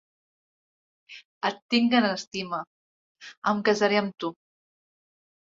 Et tinc en estima. Em casaré amb tu.